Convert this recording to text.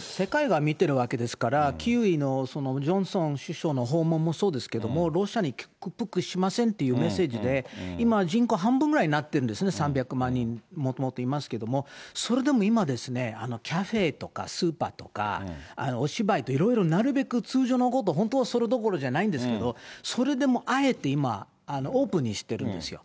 世界が見てるわけですから、キーウのジョンソン首相の訪問もそうですけど、ロシアに屈服しませんというメッセージで、今、人口半分ぐらいになってるんですね、３００万人もともといますけれども、それでも今、カフェとか、スーパーとか、お芝居、いろいろとなるべく通常のことを、本当はそれどころじゃないんですけど、それでもあえて今、オープンにしてるんですよ。